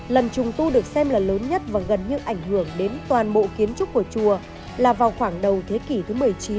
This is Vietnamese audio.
lần trùng tu được xem là lớn nhất và gần như ảnh hưởng đến toàn bộ kiến trúc của chùa là vào khoảng đầu thế kỷ thứ một mươi chín